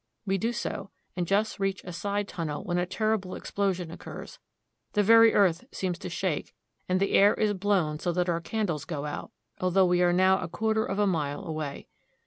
We do so, and just reach a side tunnel when a terrible explo sion occurs. The very earth seems to shake, and the air is blown so that our candles go out, although we are now a quarter of a mile away.